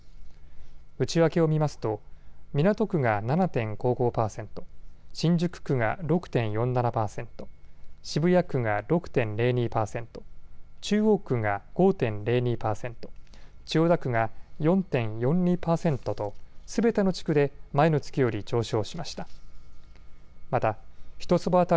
内訳を見ますと港区が７．５５％、新宿区が６．４７％、渋谷区が６．０２％、中央区が５．０２％、千代田区が４．４２％とすべての地区で前の月より上昇しました。